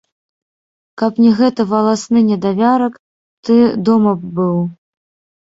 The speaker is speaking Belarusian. Каб не гэты валасны недавярак, ты дома б быў.